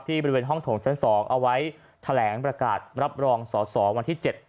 บริเวณห้องโถงชั้น๒เอาไว้แถลงประกาศรับรองสอสอวันที่๗